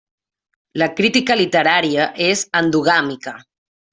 La crítica literària és endogàmica.